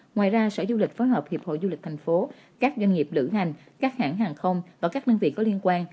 ngoài ra sở du lịch phối hợp hiệp hội du lịch tp các doanh nghiệp lữ hành các hãng hàng không và các năng viện có liên quan